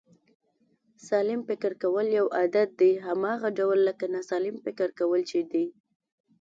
سالم فکر کول یو عادت دی، هماغه ډول لکه ناسلم فکر کول چې دی